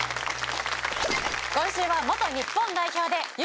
今週は元日本代表でＵ２２